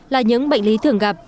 là những bệnh lý thường gặp